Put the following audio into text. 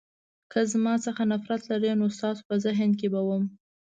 که زما څخه نفرت لرئ نو ستاسو په ذهن کې به وم.